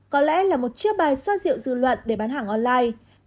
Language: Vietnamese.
có lẽ là một chiếc bài xoa dịu dư luận để bán hàng online